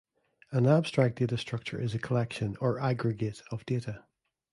An abstract data structure is a collection, or aggregate, of data.